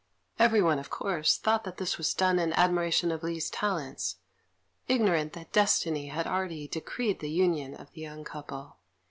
Everyone, of course, thought that this was done in admiration of Li's talents, ignorant that destiny had already decreed the union of the young couple.